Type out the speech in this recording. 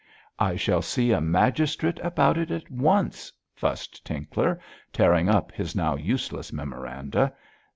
'I shall see a magistrate about it at once,' fussed Tinkler, tearing up his now useless memoranda.